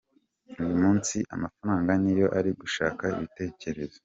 Uyu munsi amafaranga ni yo ari gushaka ibitekerezo.